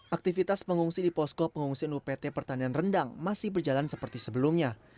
aktivitas pengungsi di posko pengungsian upt pertanian rendang masih berjalan seperti sebelumnya